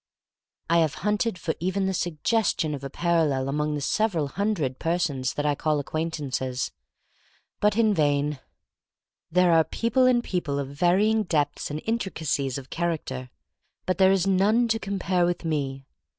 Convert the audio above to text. I have hunted for even the sugges tion of a parallel among the several hundred persons that I call acquaint ances. But in vain. There are people and people of varying depths and intri cacies of character, but there is none to compare with me.